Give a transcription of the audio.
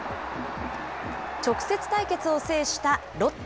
直接対決を制したロッテ。